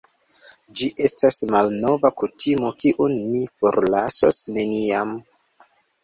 Ĝi estas malnova kutimo, kiun mi forlasos neniam.